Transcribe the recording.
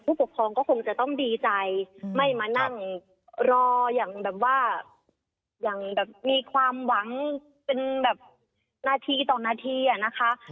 ผู้ปกครองก็คงจะต้องดีใจไม่มานั่งรออย่างแบบว่าอย่างแบบมีความหวังเป็นแบบนาทีต่อนาทีอ่ะนะคะ